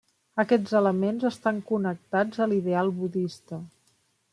Aquests elements estan connectats a l'ideal budista.